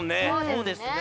そうですね。